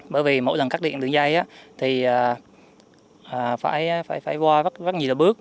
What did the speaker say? bởi vì mỗi lần cắt điện đường dây thì phải qua rất nhiều là bước